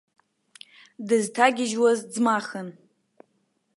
Дызҭагьежьуаз ӡмахын.